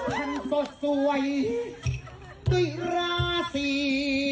ท่านสดสวยด้วยราศี